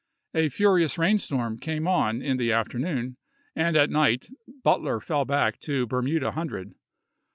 A furious rainstorm came on in the afternoon, and during the night Butler fell back to Bermuda Hundred.